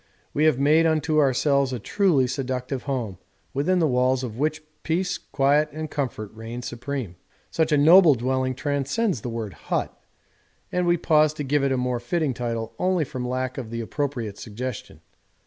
We have made unto ourselves a truly seductive home, within the walls of which peace, quiet, and comfort reign supreme. Such a noble dwelling transcends the word 'hut,' and we pause to give it a more fitting title only from lack of the appropriate suggestion.